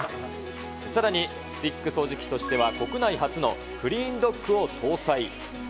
さらに、スティック掃除機としては、国内初のクリーンドックを搭載。